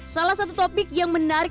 salah satu topik yang menarik